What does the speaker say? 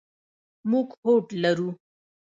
موږ هوډ لرو.